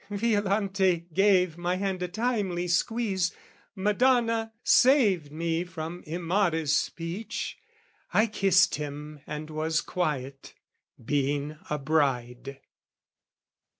Violante gave my hand a timely squeeze, Madonna saved me from immodest speech, I kissed him and was quiet, being a bride.